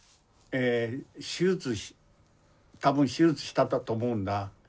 手術多分手術したんだと思うんだ。